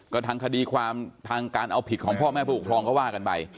ก็ทางคดีความทางการเอาผิดของพ่อแม่ผู้ปกครองก็ว่ากันไป